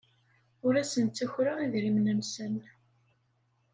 Ur asen-ttakreɣ idrimen-nsen.